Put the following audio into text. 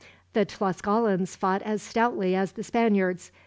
The Tlascalans fought as stoutly as the Spaniards.